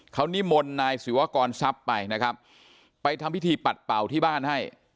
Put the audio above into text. เขานิมนต์นายศิวากรทรัพย์ไปนะครับไปทำพิธีปัดเป่าที่บ้านให้